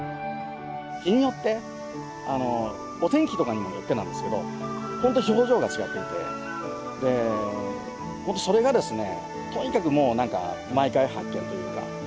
日によってあのお天気とかにもよってなんですけどほんと表情が違っててでほんとそれがですねとにかくもうなんか毎回発見というか。